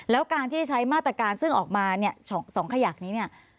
แล้วการที่ใช้มาตรการซึ่งออกมาเนี่ย๒ขยักนี้เนี่ย